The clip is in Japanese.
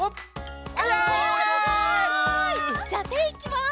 じゃあていきます！